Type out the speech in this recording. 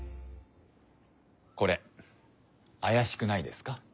これあやしくないですか？